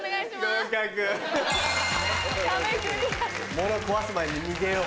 物壊す前に逃げよう。